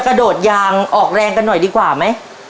กระโดดยางออกแรงกันหน่อยดีกว่าไหม